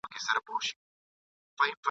د څو شېبو بیداري او هوښیاري ده !.